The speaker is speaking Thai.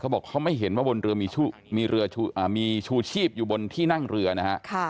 บอกเขาไม่เห็นว่าบนเรือมีเรือมีชูชีพอยู่บนที่นั่งเรือนะฮะ